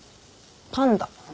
パンダ。